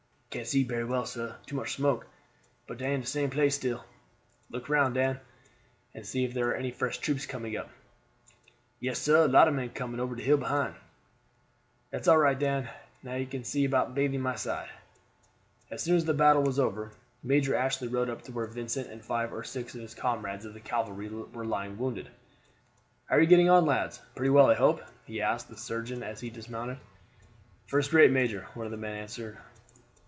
"Can't see berry well, sah; too much smoke. But dey in de same place still." "Look round, Dan, and see if there are any fresh troops coming up." "Yes, sah; lot of men coming ober de hill behind." "That's all right, Dan. Now you can see about this bathing my side." As soon as the battle was over Major Ashley rode up to where Vincent and five or six of his comrades of the cavalry were lying wounded. "How are you getting on, lads? Pretty well I hope?" he asked the surgeon as he dismounted. "First rate, major," one of the men answered.